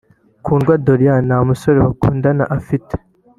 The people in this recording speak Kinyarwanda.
Kundwa Doriane nta musore bakundana afite